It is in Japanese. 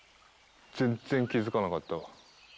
全然気付かなかったわ。